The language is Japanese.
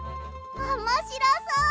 おもしろそう！